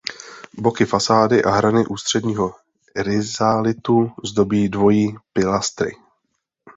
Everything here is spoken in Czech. Boky fasády a hrany ústředního rizalitu zdobí dvojí pilastry.